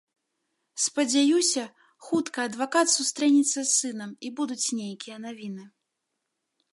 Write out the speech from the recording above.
Спадзяюся, хутка адвакат сустрэнецца з сынам, і будуць нейкія навіны.